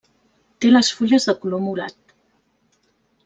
Té les fulles de color morat.